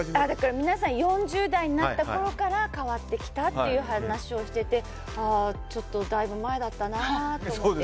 皆さん４０代になったころから変わってきたという話をしててああ、ちょっと大分前だったなと思って。